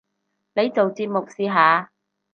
你做節目試下